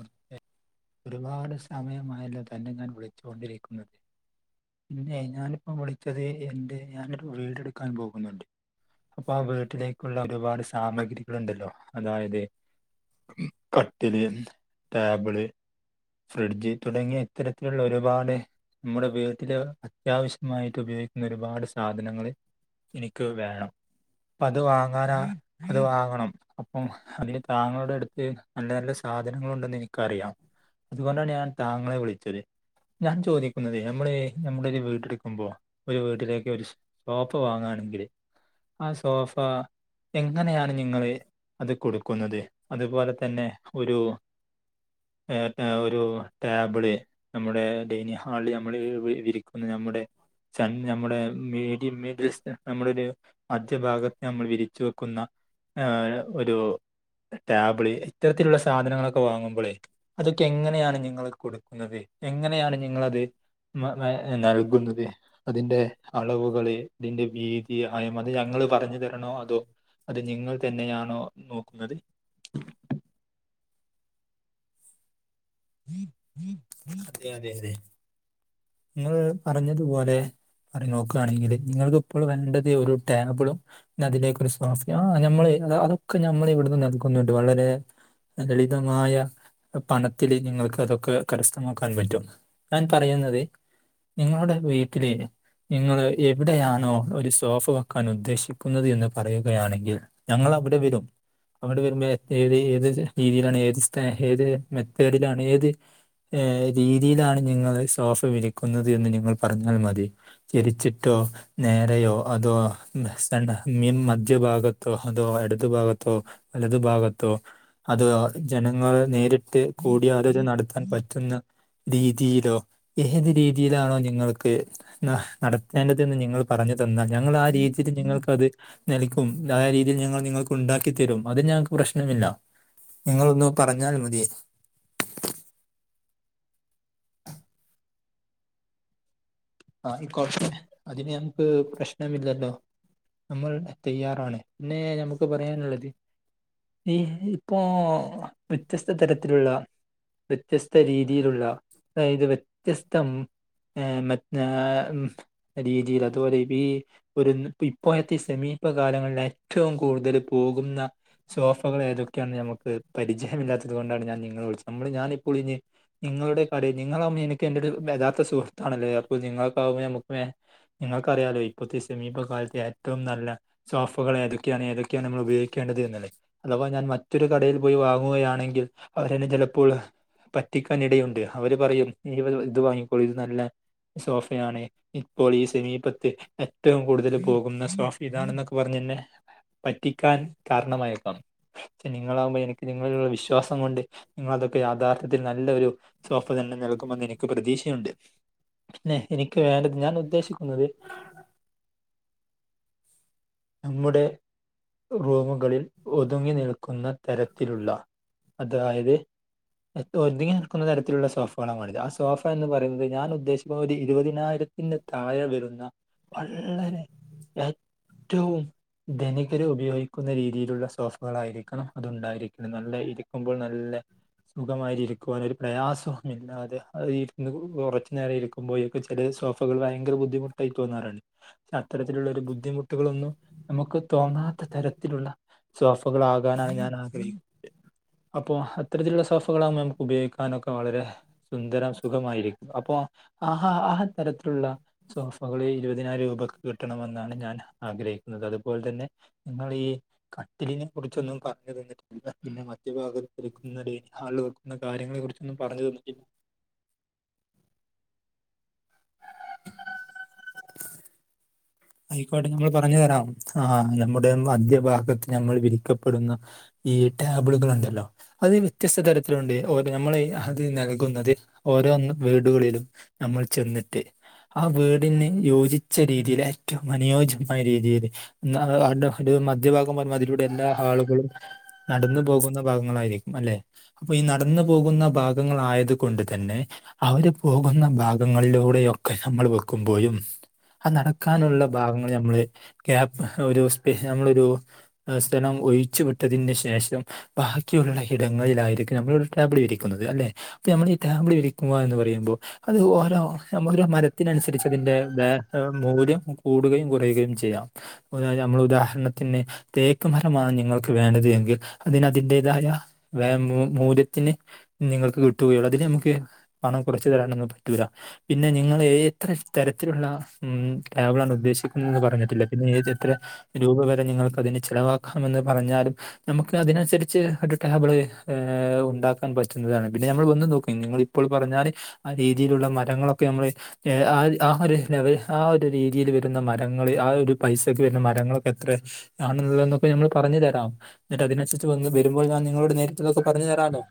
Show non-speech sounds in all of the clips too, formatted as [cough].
O- ഒരുപാട് സമയമായല്ലോ തന്നെ ഞാൻ വിളിച്ചുകൊണ്ടിരിക്കുന്നത് പിന്നെ ഞാനിപ്പോം വിളിച്ചത് എന്റ ഞാനൊരു വീട് എടുക്കാൻ പോകുന്നുണ്ട് അപ്പൊ ആഹ് വീട്ടിലേക്കുള്ള ഒരുപാട് സാമഗ്രികൾ ഉണ്ടല്ലോ അതായത് കട്ടില് ടേബിള് ഫ്രിഡ്ജ് തുടങ്ങിയ ഇത്തരത്തിലുള്ള ഒരുപാട് നമ്മുടെ വീ ട്ടല് അത്യാവശ്യമായിട്ട് ഉപയോഗിക്കുന്ന ഒരുപാട് സാധനങ്ങൾ എനിക്ക് വേണം അപ്പ അത് വാങ്ങാനാ അത് വാങ്ങണം അപ്പം അതിന് താങ്കളുടെ അടുത്ത് നല്ല നല്ല സാധനങ്ങൾ ഉണ്ടെന്ന് എനിക്കറിയാം അതുകൊണ്ടാണ് ഞാൻ താങ്കളെ വിളിച്ചത് ഞാൻ ചോദിക്കുന്നത് നമ്മൾ നമ്മുടെ ഒരു വീട് എടുക്കുമ്പോഴ് ഒരു വീട്ടിലേക്ക് ഒരു സോഫ വാങ്ങുകയാണെങ്കിൽ ആഹ് സോഫ എങ്ങനെയാണ് നിങ്ങള് അത് കൊടുക്കുന്നത് അതുപോലെ തന്നെ ഒരു ഒരു ടേബിള് നമ്മുടെ ഡൈനിങ്ങ് ഹാളിൽ നമ്മൾ ഇരിക്കുന്ന നമ്മുടെ ച നമ്മുടെ [unintelligible] നമ്മുടെ ഒരു മധ്യ ഭാഗത്ത് നമ്മൾ വിരിച്ചു വെക്കുന്ന ആഹ് ഒരു ടാബിള് ഇത്തരത്തിലുള്ള സാധനങ്ങളൊക്കെ വാങ്ങുമ്പോളേ അതൊക്കെ എങ്ങനെയാണ് നിങ്ങൾ കൊടുക്കുന്നത് എങ്ങനെയാണ് നിങ്ങളത് മ നൽകുന്നത് അതിന്റെ അളവുകള് അതിന്റെ വിതി ആയ അത് ഞങ്ങള് പറഞ്ഞു തരണോ അതോ അത് നിങ്ങൾ തന്നെയാണോ നോക്കുന്നത് [inaudible] അതെ അതെ അതെ നിങ്ങൾ പറഞ്ഞതുപോലെ അറി നോക്കുകയാണെങ്കിൽ നിങ്ങൾക്ക് ഇപ്പോൾ വേണ്ടത് ഒരു ടേബിളും അതിലേക്കൊരു സോഫയും ആഹ് നമ്മള് അതൊക്കെ നമ്മൾ ഇവിടുന്ന് നൽകുന്നുണ്ട് വളരെ ലളിതമായ പണത്തില് നിങ്ങൾക്ക് അതൊക്കെ കരസ്ഥ മാക്കാൻ പറ്റും ഞാൻ പറയുന്നത് നിങ്ങളുടെ വീട്ടില് നിങ്ങൾ എവിടെയാണോ ഒരു സോഫ വെക്കാൻ ഉദ്ദേശിക്കുന്നത് എന്ന് പറയുകയാണെങ്കിൽ ഞങ്ങൾ അവിടെ വരും അവിടെ വരുമ്പോ ഏത് ഏത് രീതിയിലാണ് ഏത് ഏത് മെത്തേഡിലാണ് ഏത് ഏഹ് രീതിയിലാണ് നിങ്ങൾ സോഫ വിൽക്കുന്നത് എന്ന് നിങ്ങൾ പറഞ്ഞാൽ മതി ജരിച്ചിട്ടോ ന നേരയോ അത് സ നി മധ്യ ഭഗത്തോ അത് എടതു ഭഗത്തോ വലതു ഭാഗത്തോ അത് ജനങ്ങളെ നേരിട്ട് കൂടിയാലോചന നടത്താൻ പ ുന്ന രീതിയിലോ ഏത് രീതിയിലാണോ നിങ്ങൾക്ക് നടത്തേണ്ടതന്ന് ങ്ങൾ പറഞ്ഞു തന്നാൽ ഞങ്ങൾ ആ രീതിയിൽ നിങ്ങൾക്ക്ത് നൽക്കും ആ രീതിയിൽ ഞങ്ങൾ നിങ്ങൾക്ക് ഉണ്ടാക്കിത്തരും അത് ഞങ്ങൾക്ക് പ്രശ്നമില്ല നിങ്ങളൊന്ന് പറഞ്ഞാൽ മതിയേ ആ ഈ കൊറച്ച അതിന് ഞമക്ക് പ്രശ്നം ഇല്ലല്ലോ നമ്മൾ തയ്യാറാണ് പിന്നെ നമുക്ക് പറയാനുള്ളത് ഈ ഇപ്പോ വ്യത്യസ്ത തരത്തിലുള്ള വ്യത്യസ്ത രീതിയിലുള്ള അതായത് വ്യത്യസ്തം മെ [unintelligible] രീതിൽ അതരെ വി ഒരു ഇപ്പോഴത്തെ ഈ സമീപ കാലങ്ങളിൽ ഏറ്റവും കൂടുതൽ പോകുന്ന സോഫകൾ ഏതൊക്കെയാണ് നമുക്ക് പരിചയം ഇല്ലാത്തത് കൊണ്ടാണ് ഞാൻ നിങ്ങളെ വിളിച്ചത് നമ്മൾ ഞാനിപ്പോൾ ഇ നിങ്ങളുടെ കട നിങ്ങളകുമ്പോ എനിക്ക് എന്റെയൊരു യഥാത്ഥ സുഹൃത്താണല്ലേ അപ്പൊ നിങ്ങൾക്കാവുമ്പോൾ നമുക്ക് നിങ്ങൾക്കറിയാാലോ ഇപ്പോഴത്തെ സമീപകാലത്ത്ത്തെ ഏറ്റവും നല്ല സോഫകൾ ഏതൊക്കെയാണ് ഏതൊ നമ്മൾ ഉപയോഗിക്കേണ്ടല്ലേ അഥവാ ഞാൻ മറ്റൊരു കടയിൽ പോയി വാങ്ങുകയാണെങ്കിൽ അവരെ ചിലപ്പോൾ പറ്റിക്കാനിടയുണ്ട് അവര് പറയും ഇവ ഇത് വാങ്ങിക്കോളും ഇത് നല്ല സോഫയാണ് ഇപ്പോൾ ഈ സമീപത്ത് ഏറ്റവും കൂടുതൽ പോകുന്ന സോഫ ഇതാണെന്നൊ അവർ നിന്നെ പറ്റിക്കാൻ കാരണമായേക്കാം പക്ഷെ നിങ്ങളാകുമ്പോൾ എനിക്ക് നിങ്ങളുള്ള വിശ്വാസം കൊണ്ട് നിങ്ങളതൊക്കെ യാഥാർഥത്തിൽ നല്ലൊരു സോഫ തന്നെ നൽകുമെന്ന് എനിക്ക് പ്രതീക്ഷയുണ്ട് പിന്നെ എനിക്ക് വേണ്ടത് ഞാൻ ഉദ്ദേശിക്കുന്നത് നമ്മുടെ റൂമുകളിൽ ഒതുങ്ങി നിൽക്കുന്ന തരത്തിലുള്ള അതായത് ഒതുങ്ങി നിൽക്കുന്ന തരത്തിലുള്ള സോഫകളാണ് വേണത് ആ സോഫ എന്ന് പറയുന്നത് ഞാൻ ഉദ്ദേശിക്കുമ്പോൾ ഒരു ഇരുപതിനായിരം ഇന്ന് താഴെ വരുന്ന വളരെ [unintelligible] വും എനിക്കൊരു ഉപയോഗിക്കുന്ന രീതിയിലുള്ള സോഫകളായിരിക്കണം അതുണ്ടായിരിക്കണം നല്ല ഇരിക്കുമ്പോൾ നല്ല സുഖമായി ഇരിക്കുവാനൊരു പ്രയാസമൊന്നുമില്ലാതെ അത് ഇരുന്ന് കുറച്ചു നേരം ഇരി [unintelligible] ചില സോഫകൾ ഭയങ്കര ബുദ്ധിമുട്ടായി തോന്നാറാണ് അത്തരത്തിലുള്ളരു ബുദ്ധിമു ന്നും നമുക്ക് തോന്നാത്ത തരത്തിലുള്ള സോഫകൾാകാനാണ് ഞാൻ ആഗ്രഹിക്കുന്നത് അപ്പോ അത്തരത്തിലുള്ള സോഫകളാകുമ്പോ നമുക്ക് ഉപയോഗിക്കാനൊക്കെ വളരെ സുന്ദരം സുഖമായിരിക്കും അപ്പൊ ആഹാ ആ തരത്തിലുള്ള സോഫകള് ഇരുപതിനായിരം രൂപക്ക് കിട്ടണമെന്നാണ് ഞാൻ ആഗ്രഹിക്കുന്നത് അതുപോലെ തന്നെ നി കട്ടിലിനെ കുറിച്ചൊന്നും പറഞ്ഞു തന്നിട്ടില്ല പിന്നെ. ഭാഗത്ത്ക്കുന്ന ഡെനി ഹാളിൽ വക്കുന്നാര്യങ്ങളെ കുറിച്ചൊന്നും പറഞ്ഞു തോന്നിട്ടില്ല ആയിക്കോട്ടെ നഞമ്മൾ പറഞ്ഞു തരാം ആ നമ്മുടെ മധ്യഭാഗത്ത് ഞമ്മൾ വിരിക്കപ്പെടുന്ന ഈ ടാബിളുകളുണ്ടല്ലോ അത് വ്യത്യസ്ത തരത്തിലുണ്ട് ഓ നമ്മളൾ അത് നൽകുന്നത് ഓരോ വീടുകളിലും നമ്മൾ ചെന്നിട്ട് ആ വീടിന്ന് യോഗിച്ച രീതീൽ ആ ഏ അനുയോജ്യമായ രീതിയിയില് ഒരു മധ്യഭാഗം പറഞ്ഞുമ അതിലൂടെ എല്ലാ ആളുകളും നടന്നു പോകുന്ന ഭാഗങ്ങളായിരിക്കും അല്ലെ അപ്പൊ ഈ നടന്നു പോകുന്ന ഭാഗങ്ങളായത് കൊണ്ട് തന്നെ അവര് പോകുന്ന ഭാഗങ്ങളിലൂടെയൊക്കെ നമ്മൾ വെക്കുമ്പോഴും ആനട ക്കാനുള്ള ഭാഗങ്ങൾ നമ്മള് ഗപ്പ് ഒരു സ നമ്മളൊരു സ്ഥലം ഒഴിച്ചു വിട്ടതിന് ശേഷം ബാക്കിയുള്ള ഇടങ്ങളിലായിരിക്കും നമ്മൾ ാപടി ഇരിക്കുന്നത് അല്ലെ അപ്പൊ നമ്മള ടാമ്പി വിൽരിക്കുകവാ എന്ന് പറയുമ്പോ അത് ഓരോ ഓരോ മരത്തിനനുസരിച്ച് അതിന്റെ വേ മൂല്ം കൂടുകയും കുറയുകയും ചെയ്യാം അ നമ്മൾ ഉദാഹരണത്തിന് തേക്ക് മരമാണ് നിങ്ങൾക്ക് വേണ്ടത് എങ്കിൽ അതിനതിൻറേതായ മൂല്യത്തിന് നിങ്ങൾക്ക് കിട്ടുകയുള്ളു അതില് നമുക്ക് പണം കുറച്ച് തരാാനൊന്നും പറ്റൂില്ല പിന്നെ നിങ്ങൾ എത്ര തരത്തിലുള്ള ഉം ടാബിള ആണ് ഉദ്ദേശിക്കുന്നത് എന്ന് പറഞ്ഞിട്ടില്ല പിന്നെ ഏത് എത്ര രൂപ വരെ നിങ്ങൾക്ക് അതിന് ചിലവാക്കാമെന്ന് പറഞ്ഞാലും നമുക്ക് അതിനനുസരിച്ച് ഒരു ടാബിള് ഉണ്ടാക്കാൻ പറ്റുന്നതാണ് പിന്നെ നമ്മൾ വന്ന് നോക്ക്‌ നിങ്ങളിൽ ഇപ്പോൾ പറഞ്ഞാല് ആ രീതിയിലുള്ള മരങ്ങളൊക്കെ നമ്മൾ ആഹ് ആ ഒരു ലെവൽ ആഹ് രീതിയിൽ വരുന്ന മരങ്ങൾ ആ ഒരു പൈസക്ക് വരുന്ന മരങ്ങളൾക്കെ എത്ര ആണുള്ളള് എന്നൊക്കെ നമ്മൾ പറഞ്ഞു തരാം എന്നട്ട് അതിനനുസരിച്ച് വന്ന് വരുമ്പോൾ ഞാൻ നിങ്ങളോട് നേരിട്ടതൊക്കെ പറഞ്ഞു തരാലോ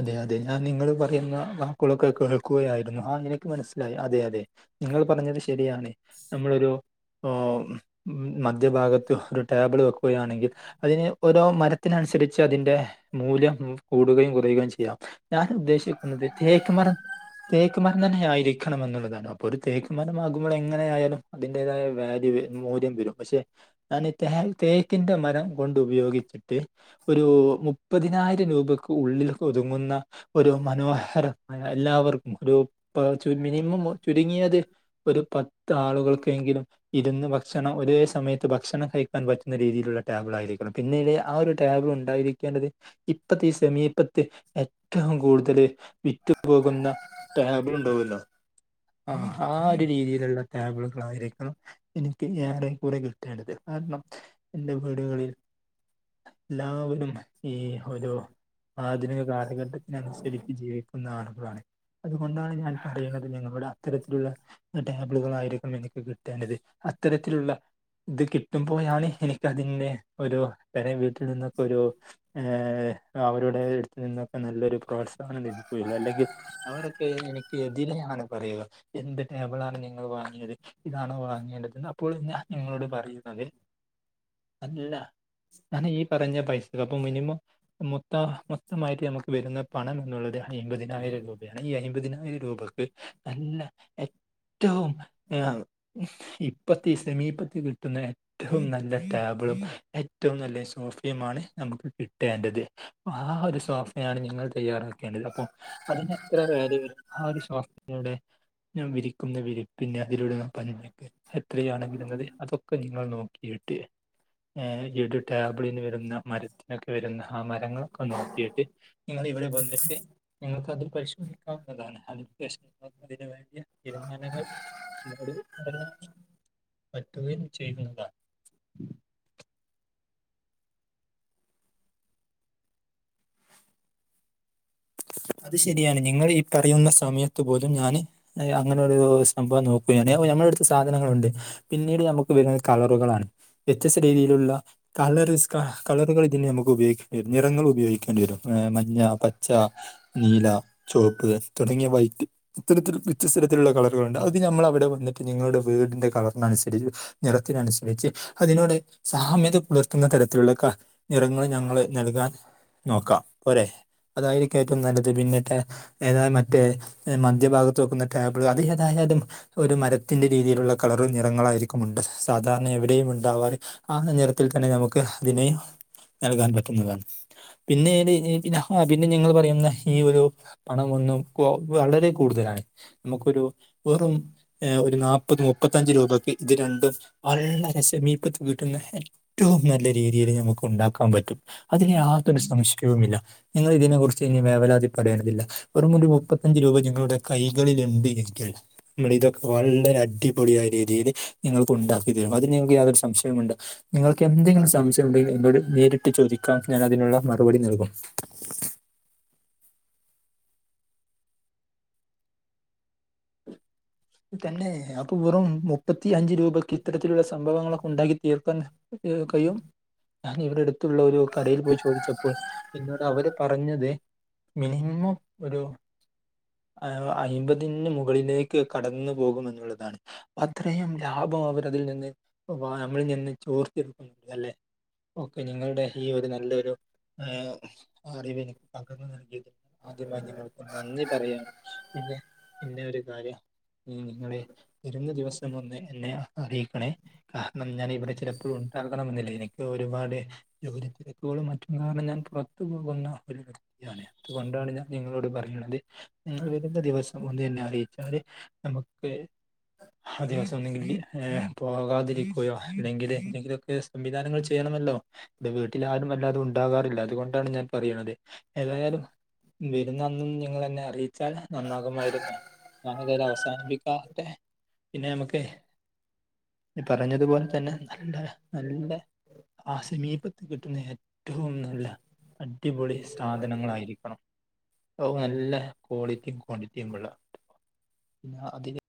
അതെ അതെ ഞാൻ നിങ്ങൾ പറയുന്ന വാക്കുളൊക്കെ കേൾക്കുകയായിരുന്നു ആ എനിക്ക് മനസ്സിലായി അതെ അതെ നിങ്ങൾ പറഞ്ഞത് ശരിയാണ് നമ്മളൊരു ഉം മധ്യഭാഗത്ത് ഒരു ടേബിൾ വെക്കുകയാണെങ്കിൽ അതിന് ഒരോ മരത്തിനനുസരിച്ച് അതിന്റെ മൂല്യം കൂടുകയും കുറ റയുകയും ചെയ്യാം ഞാൻ ഉദ്ദേശിക്കുന്നത് തേക്കുമരം തേക്കുമരന്ന് തന്നെ ആയിരി തക്കണം എന്നുള്ളതാണ് അപ്പൊ ഒരു തേക്ക്മരം മാകുമ്പോൾ എങ്ങനെ ആയാലും അതിന്റേതായ വാല്യൂ മൂല്യം വരും പക്ഷെ ഞാൻ തെ തെക്കിന്റെ മരം കൊണ്ട് ഉപയോഗിച്ചിട്ട് ഒരു മുപ്പതിനായിരം രൂപക്ക് ഉള്ളിൽ ഒതുങ്ങുന്ന ഒരു മനോഹരമായ എല്ലാവർക്കും രു പ ചു മിനിമം ചുരുങ്ങിയത് ഒരു പത്ത് ആളുകൾക്കെങ്കിലും ഇരുന്ന് ഭക്ഷണം ഒരേ സമയത്ത് ഭക്ഷണം കഴിക്കാൻ പറ്റുന്ന രീതിയിലുള്ള ടേബിൾ ആയിരിക്കണം പിന്നീട് ആ ഒര് ടേബൾ ഉണ്ടായിരിക്കേണ്ടത് ഇപ്പത്തി ഈ സമീ എറ്റവും കൂടുതൽ വിറ്റുപകുന്ന ടാബൾഉണ്ടാവല്ലോ ആഹ് ആ ഒരു രീതിയിലുള്ള ടാബിളുകളായിരിക്കും എനിക്ക് യെറെയും കൂറെ കിട്ടേണ്ടത് കാരണം എന്റെ വീടുകളിൽ ല്ലാവരും ഈ ഒരു ആധുനിക കാലഘട്ടത്തിനനുസരിച്ച് ജീവിക്കുന്ന ആളുകളാണ് അതുകൊണ്ടാണ് ഞാൻ പറയുന്നത് നിങ്ങളുടെ അത്തരത്തിലുള്ള ടാബിളുകളായിരിക്കും എനിക്ക് കിട്ടേണ്ടത് അത്തരത്തിലുള്ള ഇത് കിട്ടുമ്പോഴാണ് എനിക്ക് അതിന്റെ ഒരു അ നിന്നൊക്കെ ഒരു അവരുടെ അടുത്ത് നിന്നൊക്കെ നല്ലൊരു പ്രോത്സാ ഭ അല്ലെങ്കിൽ അവരൊക്കെ എനിക്ക് എതിനെയാണ് പറയുക എന്ത് ടേബിളാണ് നിങ്ങൾ വാങ്ങിയത് ഇതാണോ വാങ്ങേണ്ടേതെന്ന് അപ്പോൾ ഞാൻ നിങ്ങളോട് പറയുന്നതിൽ അല്ല ഞാൻ ഈ പറഞ്ഞ പൈസ അപ്പൊ മിനിമം മൊ മൊത്ത മൊത്തമായിട്ട് നമുക്ക് വരുന്ന പണം എന്നുള്ളത് അയിമ്പതിനായിരം രൂപയാണ് ഈ അയിമ്പതിനായിരം രൂപയ്ക്ക് നല്ല ഏറ്റവും ആഹ് ഇപ്പത്തി ഈ സമീപത്ത് കിട്ടുന്ന ഏറ്റവും നല്ല ടാബിളും ഏറ്റവും നല്ല സോഫയുമാണ് നമുക്ക് കിട്ടേണ്ടത് ആഹ് ഒരു സോഫയാണ് നിങ്ങൾ തയ്യാറാ അപ്പ അതിനത്ര വേദ ആഹ് ഒരു [inaudible] ഇടെ ഞാൻ വിരിക്കുന്ന വിരി പിന്നെ അതിലൂടെ പഞ്ഞക്കെ എത്രയാണ് വരുന്നത് അതൊക്കെ നിങ്ങൾ നോക്കിയിട്ട് ആഹ് ഇട് ടാബ്ളിന് വരുന്ന മരത്തിനൊക്കെ വരുന്ന മരങ്ങളൊക്കെ നോക്കിയിട്ട് നിങ്ങൾ ഇവിടെ വന്നിട്ട് നിങ്ങൾക്കതിൽ പരിശോ വുന്ന അ അതിന വേണ്ടിയ തീരുമാനങ്ങൾ പറ്റുകയും ചെയ്യുന്നതാ അത് ശരിയാണ് നിങ്ങൾ ഈ പറയുന്ന സമയത്ത് പോലും ഞാൻ അങ്ങനെ ഒരു സംഭവം നോക്കുകാണ് ഞമ്മളടത്ത് സാധനങ്ങളുണ്ട് പിന്നീട് നമുക്ക് വരുന്നത് കളറുകളാണ് വ്യത്യസ്ത രീതിയിലുള്ള കളർസ്ക കളറുകൾ ഇതിനെ നമുക്ക് ഉപയോഗിക്കേണ്ടി വരും നിറങ്ങൾ ഉപയോഗിക്കേണ്ടി വരും മഞ്ഞ പച്ച നീല ചുവപ്പ് തുടങ്ങിയ വൈറ്റ് ഇത്തരത്തിൽ വ്യത്യസ്ത തരത്തിലുള്ള കളറുകളുണ്ട് അത് ഞമ്മള് അവിടെ വന്നിട്ട് നിങ്ങളുടെ വീടിന്റെ കളറിന് അനുസരിച്ച് നിറത്തിന് അനുസരിച്ച് അതിനോട് സാമ്യത പുലർത്തുന്ന തരത്തിലുള്ള ക നിറങ്ങൾ ഞങ്ങള് നൽകാൻ നോക്കാം പോരെ അതായിരിക്കും ഏറ്റവും നല്ലത് പിന്നെത്താ ഏതാ മറ്റേ മധ്യഭാഗത്ത് വെക്കുന്ന ടാബിൾ അത് ഏതായാലും ഒരു മരത്തിന്റെ രീതിയിലുള്ള കളറും നിറങ്ങളായിരിക്കും ഉണ്ട് സാധാരണ എവിടെയും ഉണ്ടാവാതെ ആ നിറത്തിൽ തന്നെ നമുക്ക് അതിനെ നൽകാൻ പറ്റുന്നതാണ് പിന്നെ ഏതു പിന്നെ നിങ്ങള് പറ പിന്നെ ഈ ഒരു പണം ഒന്നും വളരെ കൂടുതലാണ് നമുക്കൊരു വെറും ഒരു നാപ്പത് മുപ്പത്തഞ്ച് രൂപയ്ക്ക് ഇത് രണ്ടും വള്ളരെ സെമീപത്ത് വീട്ടുന്നെ ഏറ്റവും നല്ല രീതിയിൽ നമുക്ക് ഉണ്ടാക്കാൻ പറ്റും അതിന് യാതൊരു സംശയവുമില്ല നിങ്ങൾ ഇതിനെ കുറി ച്ച് ഇനി വേവലാതി പെടേണ്ടതില്ല വെറും ഒരു മുപ്പത്തഞ്ച് രൂപ നിങ്ങളുടെ കൈകളിലുണ്ട് എങ്കിൽ നമ്മൾ ഇതൊക്കെ വളരെ അടിപൊളിയായ രീതിയിൽ നിങ്ങൾക്ക് ഉണ്ടാക്കി തരും അതിൽ നിങ്ങൾക്ക് യാതൊരു സംശയമുണ്ട് നിങ്ങൾക്ക് എന്തെങ്കിലും സംശയം ഉണ്ടെങ്കിൽ എന്നോട് നേരിട്ട് ചോദിക്കാൻ ഞാൻ അതിനുള്ള മറുപടി നൽകും തന്നെ അപ്പ വെറും മുപ്പത്തി അഞ്ച് രൂപക്ക് ഇത്തരത്തിലുള്ള സംഭവങ്ങളൊക്കെ ഉണ്ടാക്കി തീർക്കാൻ കഴിയും ഞാൻ ഇവിടെടുത്ത് അടുത്തുള്ള ഒരു കടയിൽ പോയി ചോദിച്ചപ്പോൾ എന്നോട് അവര് പറഞ്ഞത് മിനിമം ഒരു അ അയ്മ്പതിന് മുകളിലേക്ക് കടന്നു പോകുമെന്നുള്ളതാണ് അത്രയും ലാഭം അവര് അതിൽ നിന്ന് നമ്മളിൽ നിന്ന് ചോർത്തി എടുക്കുന്നുണ്ട് അല്ലെ. ഓക്കെ നിങ്ങളുടെ ഈ ഒരു നല്ലൊരു ഐ അറിവ് എനിക്ക് പകർന്നു നൽകിയത് ആദ്യമായി നിങ്ങൾക്ക് നന്ദി പറയാണ് പിന്നെ പിന്നെ ഒരു കാര്യം ഇനി നിങ്ങളെ വരുന്ന ദിവസം ഒന്ന് എന്നെ അറിയിക്കണേ. കാരണം ഞാൻ ഇവിടെ ചിലപ്പോൾ ഉണ്ടാാക്കണമെന്നില്ലേ എനിക്ക് ഒരുപാട് ജോലി തിരക്കുകളും മറ്റുള്ള കാരണം ഞാൻ പുറത്തു പോകുന്ന ഒരു ഞാൻ അതുകൊണ്ടാണ് ഞാൻ നിങ്ങളോട് പറയുന്നത് നിങ്ങൾ വരുന്ന ദിവസം ഒന്ന് എന്നെ അറിയിച്ചാല് നമുക്ക് ആ ദിവസം ഒന്നെങ്കിൽ ഏ പോകാതിരിക്കയോ അല്ലെങ്കിൽ എന്തെങ്കിലൊക്കെ സംവിധാനങ്ങൾ ചെയ്യണമല്ലോ ഇൻ്റെ വീട്ടിൽ ആരും വെല്ലാതെ ഉണ്ടാകാറില്ല അതുകൊണ്ടാണ് ഞാൻ പറയുന്നത് ഏതായാലും വരുന്നന്നും നിങ്ങൾ എന്നെ അറിയിച്ചാൽ നന്നാകുമായിരുന്നു [unintelligible] അവസാനിപ്പിക്കാട്ടെ പിന്നെ നമുക്ക് പറഞ്ഞതുപോലെ തന്നെ നല്ല നല്ല ആ സമീപത്ത് കിട്ട്ണ ഏറ്റവും നല്ല അടിപൊളി സാധനങ്ങളായിരിക്കണം ഔ നല്ല ക്വാളിറ്റിയും ക്വാണ്ടിറ്റിയും ഉള്ള പിന്നെ അതിന്